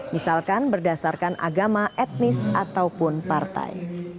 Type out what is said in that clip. misalkan berdasarkan agama etnis ataupun partai